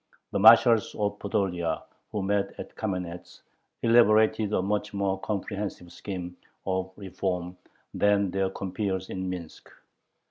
The marshals of Podolia, who met at Kamenetz, elaborated a much more comprehensive scheme of reform than their compeers in Minsk.